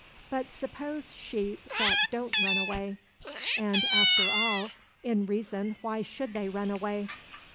But suppose sheep that don't run away; and, after all, in reason why should they run away?